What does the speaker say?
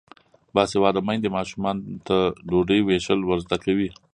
باسواده میندې ماشومانو ته ډوډۍ ویشل ور زده کوي.